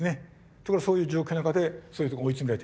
ところがそういう状況の中でそういうとこへ追い詰められて。